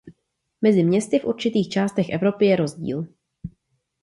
Mezi městy v určitých částech Evropy je rozdíl.